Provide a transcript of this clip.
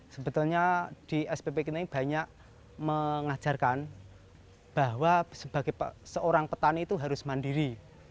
sebetulnya di spp kita ini banyak mengajarkan bahwa sebagai seorang petani itu harus mandiri